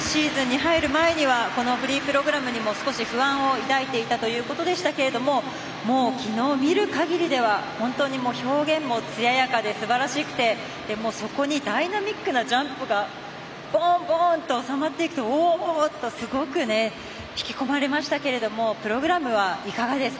シーズンに入る前にはこのフリープログラムにも少し不安を抱いていたということでしたけれどもきのう見るかぎりでは本当に表現もつややかですばらしくてそこにダイナミックなジャンプがボン、ボンと収まっていくとおお！っとすごく引き込まれましたけどもプログラムはいかがですか？